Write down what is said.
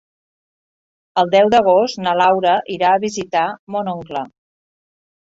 El deu d'agost na Laura irà a visitar mon oncle.